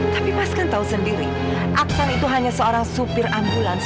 tapi mas kan tahu sendiri aksan itu hanya seorang supir ambulans